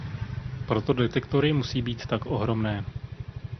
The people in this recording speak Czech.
Proto detektory musí být tak ohromné.